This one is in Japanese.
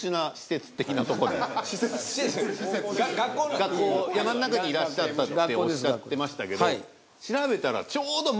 学校山の中にいらっしゃったっておっしゃってましたけど調べたら。